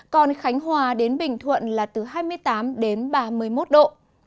còn khánh hòa đến bình thuận là từ hai mươi tám đến ba mươi một độ